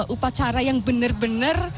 upacara yang benar benar